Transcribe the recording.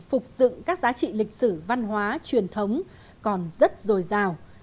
phục dựng các giá trị lịch sử văn hóa truyền thống còn rất dồi dào